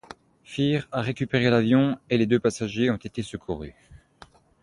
Fir a récupéré l'avion et les deux passagers ont été secourus.